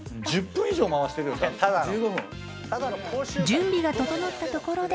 ［準備が整ったところで］